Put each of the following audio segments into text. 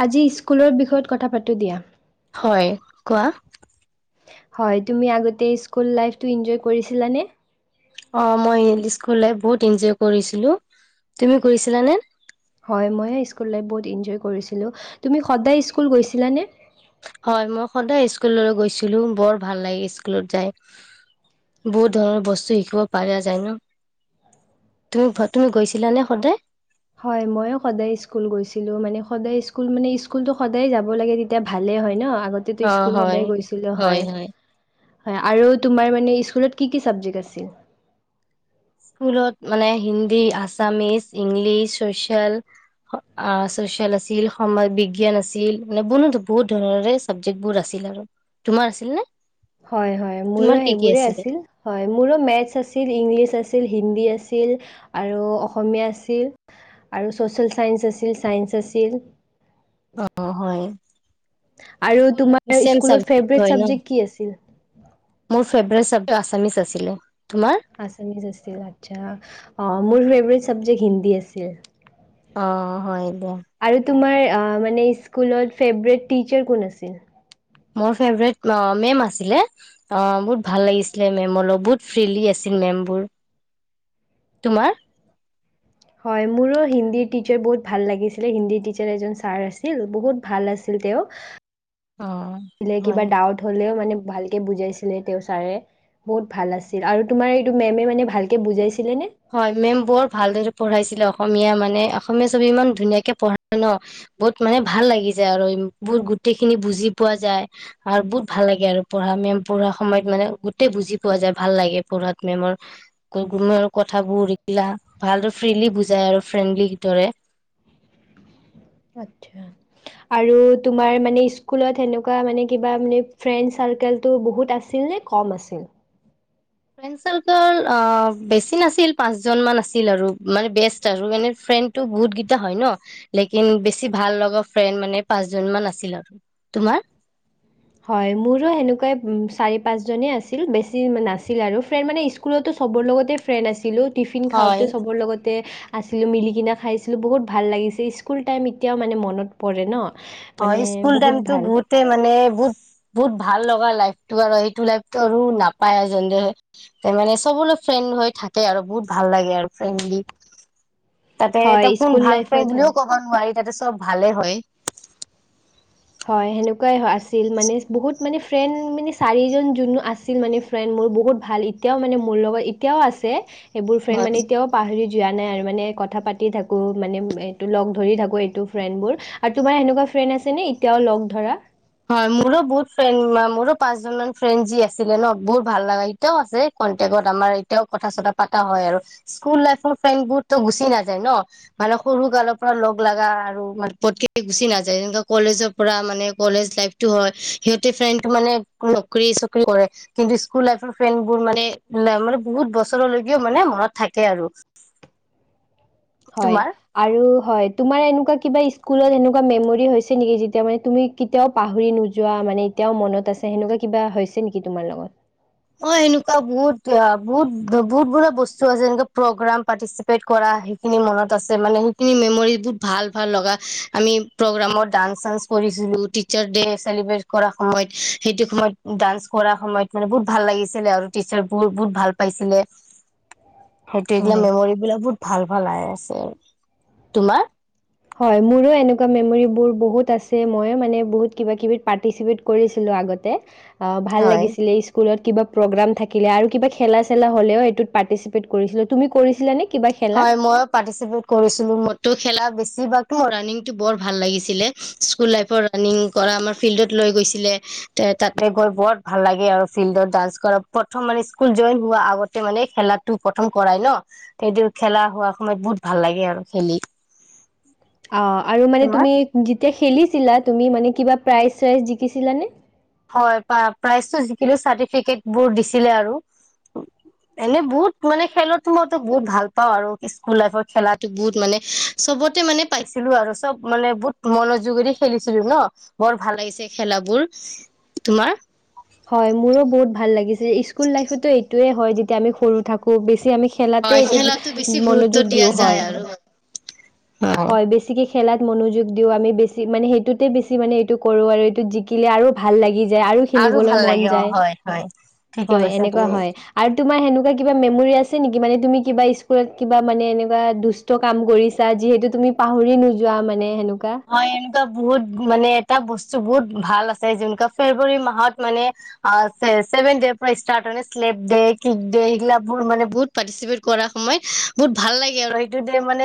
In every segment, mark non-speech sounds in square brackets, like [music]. আজি, স্কুলৰ বিষয়ত কথা পাতোঁ দিয়া। হয়, কোৱা? হয়, তুমি আগতে স্কুল লাইফটো এনজয় কৰিছিলানে? অ, মই ইস্কুল লাইফ বহুত এনজয় কৰিছিলো, তুমি কৰিছিলানে? হয়, মইও স্কুল লাইফ বহুত এনজয় কৰিছিলোঁ। তুমি সদায় স্কুল গৈছিলা নে? হয়, মই সদায় স্কুললৈ গৈছিলো, বৰ ভাল লাগে স্কুলত যায়। বহুত ধৰণৰ বস্তু শিকিব পাৰা যায় ন'? তুমি তুমি গৈছিলা নে সদায়? হয়, ময়ো সদায় স্কুল গৈছিলো মানে সদায় স্কুল মানে স্কুলতো সদায় যাব লাগে। তেতিয়া ভালে হয়, ন‌ আগতেতো অ স্কুল হয় সদায় গৈছিলো হয়। হয়, আৰু তোমাৰ মানে স্কুলত কি কি চাবজেক্ট আছিল? স্কুলত মানে Hindi Assamese English social. Social আছিল সমাজ বিজ্ঞান আছিল মানে বহু বহুত ধৰণৰে চাবজেক্ট বোৰ আছিল আৰু তোমাৰ আছিল নে? হয়, হয়, তোমাৰ মোৰো কি কি সেইবোৰে আছিলে আছিল। হয়, মোৰো মেথছ আছিল ইংলিছ আছিল হিন্দী আছিল। আৰু অসমীয়া আছিল আৰু ছচিয়েল চাইন্স আছিল চাইন্স আছিল। অ', হয়, আৰু স্কুল লাইফত তোমাৰ চেম স্কুলৰ চাব্জেক্ট ফেভৰেট হয়, ন চাবজেক্ট কি আছিল? মোৰ ফেভৰেট চাবজেক্ট আচামিচ আছিলে, তোমাৰ? আছামিছ আছিল আচ্ছা অ', মোৰ ফেভাৰেট চাব্জেক্ট হিন্দী আছিল। অ', হয়, দিয়া। আৰু তোমাৰ মানে স্কুলত ফেভৰেট টিচাৰ কোন আছিল? মোৰ ফেভৰেট মেম আছিলে। অ', বহুত ভাল লাগিছিলে মেম অলপ বহুত ফ্ৰীলি আছিল মেমবোৰ। তোমাৰ? হয়, মোৰো হিন্দীৰ টিচাৰ বহুত ভাল লাগিছিলে হিন্দী টিচাৰ এজন ছাৰ আছিল বহুত ভাল আছিল তেওঁ। অ'। ছিলে কিবা হয়। ডাউট হ'লেও মানে ভালকে বুজাইছিলে তেওঁ ছাৰে। বহুত ভাল আছিল আৰু তোমাৰ এইটো মেমে মানে ভালকে বুজাইছিলে নে? হয়, মেম বৰ ভাল দৰে পঢ়াইছিলে অসমীয়া মানে অসমীয়া ছবি ইমান পঢ়াই ন'। বহুত মানে ভাল লাগি যায় আৰু বহুত গোটেইখিনি বুজি পোৱা যায়। আৰু বহুত ভাল লাগে আৰু পঢ়া মেম পঢ়াৰ সময়ত মানে গোটেই বুজি পোৱা যায় ভাল লাগে পঢ়াত মেমৰ। কোনো কথাবোৰ উৰিকিলা ভাল ফ্ৰীলি বুজাই আৰু ফ্ৰেণ্ডলিদৰে। আচ্ছা। আৰু তোমাৰ মানে স্কুলত সেনেকুৱা মানে কিবা মানে ফ্ৰেণ্ড চাৰ্কোলটো বহুত আছিল নে? কম আছিল। ফ্ৰেড চাৰ্কোল বেছি নাছিল পাঁচজন মান আছিল আৰু মানে বেষ্ট আৰু এনে ফ্ৰেণ্ড টো বহুত কেইটা হয়, ন' লেকিন বেছি ভাল লগা ফ্ৰেণ্ড মানে পাঁচজন মান আছিল আৰু। তোমাৰ? হয়, মোৰো সেনেকুৱাই চাৰি পাঁচজনেই আছিল বেছি নাছিল আৰু ফ্ৰেণ্ড মানে স্কুলতো চবৰ লগতে ফ্ৰেণ্ড আছিলো টিফিন হয় খাওঁতে চবৰ লগতে আছিলোঁ মিলিকিনে খাইছিলোঁ বহুত ভাল লাগিছে, স্কুল টাইম এতিয়াও মানে মনত পৰে ন'। মানে হয়, স্কুল বহুত টাইমতটো ভাল। বহুত মানে বহুত বহুত ভাল লগা লাইফতটো আৰু সেইটো লাইফতটো আৰু নাপায় যে দে। তাৰ মানে চবলৈ ফ্ৰেণ্ড হৈ থাকে আৰু বহুত ভাল লাগে আৰু ফ্ৰেণ্ডলি। [inaudible] তাতে এটা কোন স্কুল ভাল ফ্ৰেণ্ড লাইফত হয়। বুলিও ক'ব নোৱাৰি, তাতে চব ভালে হয়। হয়, সেনেকুৱাই আছিল মানে বহুত মানে ফ্ৰেণ্ড মানে চাৰিজন যোনো আছিল মানে ফ্ৰেণ্ড মোৰ বহুত ভাল এতিয়াও মানে মোৰ লগত এতিয়াও আছে, এইবোৰ ফ্ৰেণ্ড হয় মানে এতিয়াও পাহৰি যোৱা নাই আৰু মানে কথা পাতি থাকোঁ মানে এইটো লগ ধৰি থাকোঁ এইটো ফ্ৰেণ্ডবোৰ। আৰু তোমাৰ এনেকুৱা ফ্ৰেণ্ড আছে নে এতিয়াও লগ ধৰা? হয়, মোৰো বহুত ফ্ৰেণ্ড মোৰো পাঁচজন মান ফ্ৰেণ্ড যি আছিলে ন' বহুত ভাল লগা। এতিয়াও আছে কণ্টেকত আমাৰ এতিয়াও কথা-চতা পতা হয়, আৰু। স্কুল লাইফৰ ফ্ৰেণ্ডবোৰতো গুচি নাযায়। মানে সৰু কালৰ পৰা লগ লগা আৰু পতেক গুচি নাযায় যেনেকে কলেজৰ পৰা মানে কলেজ লাইফটো হয় সিহঁতে ফ্ৰেণ্ডটো মানে নকৰি চকৰি কৰে। কিন্তু স্কুল লাইফৰ ফ্ৰেডবোৰ মানে মানে বহুত বছৰলৈকেও মানে মনত থাকে আৰু। হয়। তোমাৰ আৰু হয় তোমাৰ এনেকুৱা কিবা স্কুলত এনেকুৱা মেমৰি হৈছে নেকি যেতিয়া মানে তুমি কেতিয়াও পাহৰি নোযোৱা মানে এতিয়াও মনত আছে সেনেকুৱা কিবা হৈছে নেকি তোমাৰ লগত। অ', বহুত বহুত বহুত বুৰা আছে এনে প্ৰগ্ৰাম পাৰিচপেট কৰা সেইখিনি মনত আছে মানে সেইখিনি মেমৰি বহুত ভাল ভাল লগা আমি প্ৰগ্ৰামত চান্স কৰিছিলোঁ টিচাৰছ চেলিব্ৰেট কৰা সময়ত সেইটো সময়ত ডান্স কৰাৰ সময়ত মানে বহুত ভাল লাগিছিলে আৰু টিচাৰ বোৰ বহুত ভাল পাইছিলে সেইটো এইগিলা হয়। মেমৰিবলাক বহুত ভাল ভাল আহ আছে আৰু তোমাৰ। হয় মোৰো এনেকুৱা মেমৰি বোৰ বহুত আছে মই মানে বহুত কিবা -কিবি পাৰ্টিচেপিত কৰিছিলোঁ আগতে আ ভাল হয় লাগিছিলে স্ক- স্কুলত কিবা প্ৰগ্ৰাম থাকিলে আৰু কিবা চেলা হ'লেও সটোত পাৰ্টিচিপেট কৰিছিলোঁ তুমি কৰিছিলা নে? হয় মইও পাৰ্টিচিপেট কৰিছিলো মইও খেলা বেছি বা মোৰ ৰানিংটো বৰ ভাল লাগিছিলে। স্কুল লাইফৰ ৰানিং কৰা আমাৰ ফিল্ডত লৈ গৈছিলে তাতে গৈ বৰ ভাল লাগে আৰু ফিল্ডত ডান্স কৰা প্ৰথম মানে স্কুল জইন হোৱা আগতে মানে খেলাটো প্ৰথম কৰাই ন। সেইটো খেলা হোৱা সময়ত বহুত ভাল লাগে আৰু খেলি। অ', আৰু মানে তোমাৰ তুমি যেতিয়া খেলিছিলা তুমি মানে কিবা প্ৰাইজ চাইজ জিকিছিলা নে? হয় প্ৰাইজটো যিকিলো চাৰ্টিফিকেট বোৰ দিছিলে আৰু। এনে বহুত মানে খেলতো মইতো বহুত ভাল পাওঁ আৰু স্কুল লাইফৰ খেলাটো বহুত মানে চবতে মানে পাইছিলো আৰু চব মানে বহুত মনোযোগেদি খেলিছিলো ন। বৰ ভাল লাগিছে খেলাবোৰ তোমাৰ। হয় মোৰো বহুত ভাল লাগিছে স্কুল লাইফতো এইটোয়ে হয় যেতিয়া আমি সৰু থাকো বেছি আমি খেলাতে হয় এইটোত খেলাতো বেছি গুৰুত্ব মনোযোগ দিয়া দিও যায় হয়। আৰু অ হয় বে ছিকৈ খেলাত মনোযোগ দিওঁ আমি বেছি মানে সেইটোতে বেছি মানে এইটো কৰোঁ আৰু এইটোত জিকিলে আৰু ভাল লাগি যায় আৰু খেলিবলৈ ভাল মন লাগে অ যায় হয় হয় ঠিকে হয় কৈছা এনেকুৱা তুমি হয়। আৰু তোমাৰ সেনেকুৱা কিবা মেমৰি আছে নেকি মানে তুমি কিবা স্কুলত কিবা মানে এনেকুৱা দুষ্ট কাম কৰিছা যি হেতু তুমি পাহৰি নোযোৱা মানে সেনেকুৱা? হয় এনেকুৱা বহুত মানে এটা বস্তু বহুত ভাল আছে যেনেকুৱা ফেব্ৰুৱাৰী মাহত মানে আ চেভেন ডে পৰা ষ্টাৰট হয়, শ্লেপ ডে, কিক ডে সেইগিলা মানে বহুত পাৰ্টিচিপেট কৰা সময়ত বহুত ভাল লাগে আৰু সেইটো মানে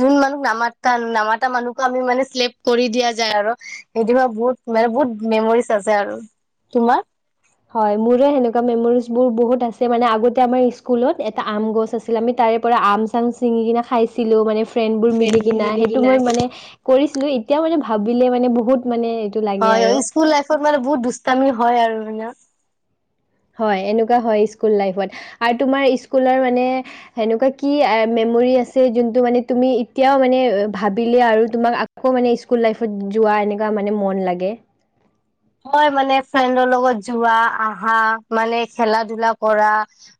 যোন মানুহ নামাতা নামাতা মানুহ ত আমি মানে শ্লেপ কৰি দিয়া যায় আৰু সেইটো বহুত মানে বহুত মেমৰিজ আছে আৰু। তোমাৰ? হয় মোৰো সেনেকুৱা মেমৰিজ বোৰ বহুত আছে মানে আগতে আমাৰ স্কুলত এটা আম গছ আ ছিল আমি তাৰে পৰা আম চাম চিঙি কিনে খাইছিলো মানে ফ্ৰেণ্ড বোৰ মিলি কিনা সেইটো মই মানে কৰিছিলো এতিয়াও মানে ভাবিলে মানে বহুত মানে লাগে হয় আৰু। স্কুল লাইফত মানে বহুত দুষ্টামি হয় আৰু মানে। হয় এনেকুৱা হয় স্কুল লাইফত আৰু তোমাৰ স্কুলৰ মানে সেনেকুৱা কি মেমৰি আছে যোনটো মানে তুমি এতিয়াও মানে ভাবিলে আৰু তোমাক আকৌ মানে স্কুল লাইফত যোৱা এনেকুৱা মানে মন লাগে। হয় মানে ফ্ৰেণ্ডৰ লগত যোৱা আহা মানে খেলা ধলা কৰা।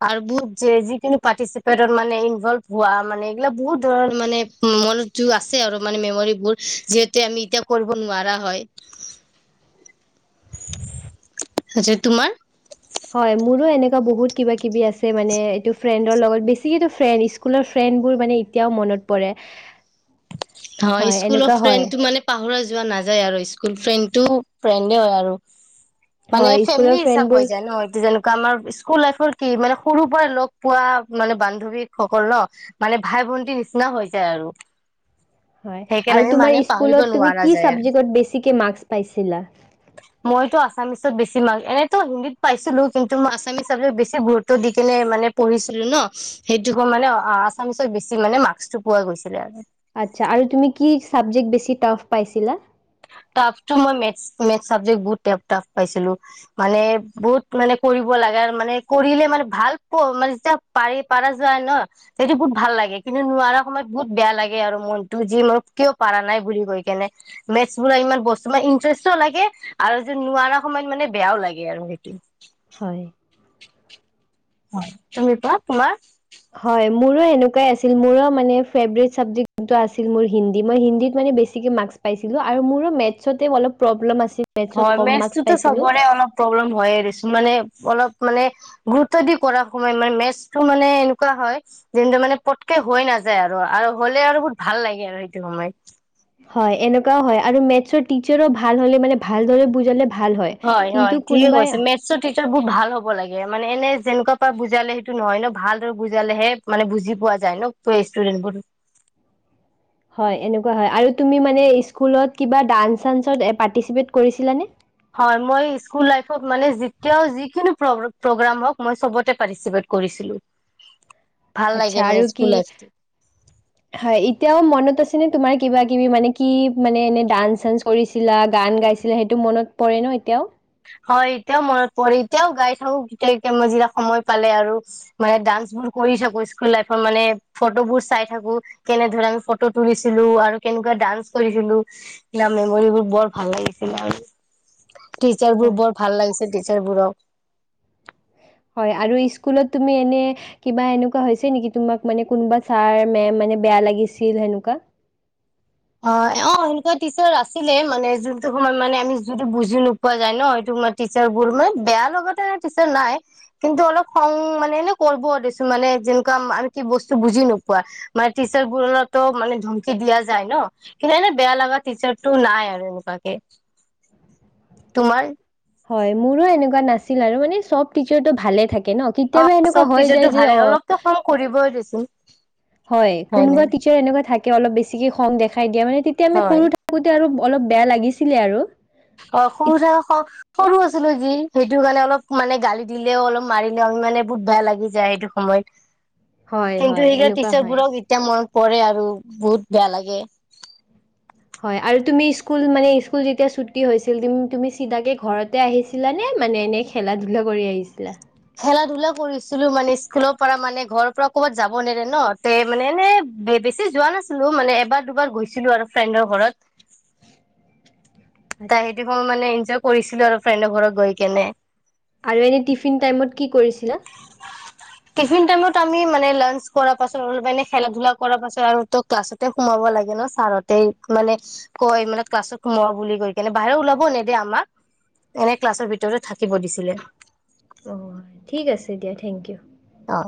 আৰু বহুত যে যিখিনি পাৰ্টিচিপেটত মানে ইনভলভ হোৱা মানে এইগিলাক বহুত ধৰৰ মানে মন টো আছে আৰু মানে মেমৰিবোৰ যিহেতু আমি এতিয়া কৰিব নোৱাৰা হয়। তোমাৰ? হয়, মোৰো এনেকুৱা বহুত কিবা কিবি আছে মানে এইটো ফ্ৰেণ্ডৰ লগত বেছিকেটো ফ্ৰেণ্ড। স্কুলৰ ফ্ৰেণ্ডবোৰ মানে এতিয়াও মনত পৰে। হয়, স্কুলৰ এনেকুৱা হয়। ফ্ৰেণ্ডটো মানে। পাহৰা যোৱা নাযায় আৰু স্কুল ফ্ৰেণ্ডেটো ফ্ৰেণ্ডে হয় আৰু। মানে হয়, স্কুলৰ ফেমেলি হিচাপ ফ্ৰেণ্ডবোৰ হৈ যায় ন, এইটো যেনেকুৱা আমাৰ স্কুল লাইফৰ কি মানে সৰুৰ পৰাই লগ পোৱা, মানে বান্ধৱীসকল ন। মানে ভাই ভন্টি নিচিনা হৈ যায় আৰু। হয়, সেইকাৰণে আৰু আমি তোমাৰ মানে পাহৰিব স্কুলত তুমি নোৱাৰা কি যায় আৰু চাবজেক্ট ট বেছিকে মাৰ্কচ পাইছিলা? মইতো আছামিছত বেছি মাৰ্ক, এনেটো হিন্দীত পাইছিলো কিন্তু মই আছামিছত ছাবজেক্ট বেছি গুৰুত্ব দি কেনে মানে পঢ়িছিলো ন, সেইটো মানে আছামিছত বেছি মানে মাৰ্কচটো পোৱা গৈছিলে আৰু। আচ্ছা। আৰু তুমি কি চাবজেক্ট বেছি টাফ পাইছিলা? টাফটো মই মেথচ, মেথচ চাবেক্টটো বহুত টাফ পাইছিলো। মানে বহুত মানে কৰিব লাগে মানে কৰিলে মানে ভাল পোৱা মানে পাৰি পাৰা যায় ন। এইটো বহুত ভাল লাগে কিন্তু নোৱাৰা সময়ত বহুত বেয়া লাগে আৰু মনতো যে মই কিয় পাৰা নাই বুলি কৈ কেনে। মেথচ বোৰ ইমান বস্তু মানে ইণ্টাৰেষ্টও লাগে। আৰু যে, নোৱাৰা সময়ত মানে বেয়াও লাগে আৰু সেইটো। হয়। হয়, তুমি [unintelligible] তোমাৰ। হয়, মোৰো এনেকুৱাই আছিল মোৰো মানে ফেভৰেট চাবজেক্ট আছিল মোৰ হিন্দী, মই হিন্দীত মানে বেছ চিকে মাৰ্কচ পাইছিলোঁ, আৰু মোৰো মেথছতে অলপ প্ৰব্লেম আছিল। মেথছত হয়, কম মাৰ্কচ মেথছতোটো পাইছিলোঁ চবৰে অলপ প্ৰব্লেম হয়ে দেচোন মানে অলপ মানে গুৰুত্ব দি কৰা সময়, মানে মেথছটো মানে এনেকুৱা হয় [unintelligible] মানে পতকে হৈ নাযায় আৰু, আৰু হ'লে আৰু বহুত ভাল লাগে আৰু সেইটো সময়ত। হয়, এনেকুৱাও হয়, আৰু মেথছৰ টিচাৰো ভাল হ'লে মানে ভালদৰে বুজালে ভাল হয়, কিন্তু কোনোবাই। চ' টিচাৰবোৰ ভাল হ'ব লাগে মানে এনে যেনেকোৱাপা বুজালে সেইটো নহয় ন' ভালদৰে বুজালেহে মানে বুজি পোৱা যায় ন' [unintelligible] ষ্টুডেন্টবোৰ। হয়, এনেকুৱা হয়, আৰু তুমি মানে ইস্কুলত কিবা ডান্স, চান্সত এই পাৰ্টিচিপেট কৰিছিলানে? হয়, মই ইস্কুল লাইফত মানে যেতিয়াও যিকোনো প্ৰ-প্ৰগ্ৰাম হওঁক মই চবতে পাৰ্টিচিপেত কৰিছিলোঁ। আচ্ছা আৰু কি? লাইফটো। হয়, এতিয়াও মনত আছেনে তোমাৰ কিবা কিবি মানে কি মানে এনে ডান্স চানস কৰিছিলা গান গাইছিলা, সেইটো মনত পৰে ন' এতিয়াও? হয়, এতিয়াও মনত পৰে এতিয়াও গাই থাকোঁ [unintelligible] সময় পালে আৰু। মানে ডান্স বোৰ কৰি থাকোঁ, ইস্কুল লাইফত মানে ফটোবোৰ চাই থাকোঁ। কেনেধৰনে ফটো তুলিছিলোঁ আৰু কেনেকুৱা ডান্স কৰিছিলোঁ। [unintelligible] মেমৰিবোৰ বৰ ভাল লাগিছিলে আৰু। টিচাৰবোৰ হয় বৰ ভাল লাগিছে, টিচাৰবোৰক। হয়, আৰু ইস্কুলত তুমি এনে কিবা এনেকুৱা হৈছে নেকি? তোমাক মানে কোনোবা ছাৰ, মেম মানে বেয়া লাগিছিল সেনেকুৱা? অ', অ', সেনেকুৱা টিচাৰ আছিলে মানে যোনটো সময়ত মানে আমি যোনটো বুজি নো পোৱা যায় ন' সেইটো সময়ত টিচাৰবোৰ মানে বেয়া লগতে টিচাৰ নাই। কিন্তু অলপ খং মানে এনেও কৰব দেচোন মানে যেনেকুৱা আমি কি বস্তু বুজি নোপোৱা। মানে টিচাৰবোৰতো মানে ধমকি দিয়া যায় ন? কিন্তু এনে বেয়া লগা টিচাৰটো নাই আৰু এনেকুৱাকে। তোমাৰ? হয়, মোৰো এনেকুৱা নাছিল আৰু মানে চব টিচাৰটো ভালে থাকে ন' কি অ', চব টিচাৰটো ভালেই অলপতো খং কৰিবই দেচোন। হয়, কোনোবা টিচাৰ এনেকুৱা থাকে অলপ বেছিকে খং দেখাই দিয়া মানে তেতিয়া আমি হয় সৰু থাক থাকোঁতে আৰু অলপ বেয়া লাগিছিলে আৰু। অ', ইত- সৰুতে আকৌ সৰু আছিলোঁ যি সেইটো কাৰণে অলপ মানে গালি দিলেও অলপ মাৰিলেও আৰু মানে বহুত বেয়া লাগি যায় সেইটো সময়ত। উম কিন্তু সেইবোৰ টিচাৰবোৰক এতিয়া মনত পৰে আৰু বহুত বেয়া লাগে। হয়, আৰু তুমি ইস্কুল মানে ইস্কুল যেতিয়া ছুটী হৈছিল তুমি-তুমি চিধাকে ঘৰত তে আহিছিলানে মানে এনেই খেলা ধূলা কৰি আহিছিলা? খেলা ধূলা কৰিছিলোঁ মানে ইস্কুলৰ পৰা মানে ঘৰৰ পৰা কৰ'বাত যাব নেদে ন' তে মানে এনে বে-বেছি যোৱা নাছিলোঁ মানে এবাৰ, দুবাৰ গৈছিলোঁ আৰু ফ্ৰেণ্ডৰ ঘৰত। তা আচ্ছা সেইটো সময় মানে ইনজয় কৰিছিলোঁ আৰু ফ্ৰেণ্ডৰ ঘৰত গৈ কেনে। আৰু এনে টিফিন টাইমত কি কৰিছিলা? টিফিন টাইমত আমি মানে লাঞ্চ কৰা পাছত মানে খেলা ধূলা কৰা পাছত আৰু ত' ক্লাছত তে সোমাব লাগে ন ছাৰহঁতে মানে কয় ক্লাছত সোমোৱা বুলি কৈ এনে বাহিৰ ওলাব নেদে আমাক এনে ক্লাছৰ ভিতৰতে থাকিব দিছিলে। অ', ঠিক আছে দিয়া থেংক ইউ। অ'।